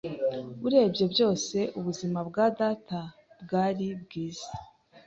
Urebye byose, ubuzima bwa data bwari bwiza.